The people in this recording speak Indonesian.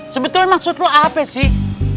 sebetulnya maksud lu apa sih